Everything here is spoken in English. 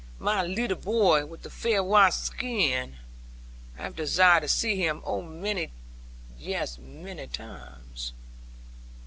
My leetle boy, with the fair white skin. I have desired to see him, oh many, yes, many times.'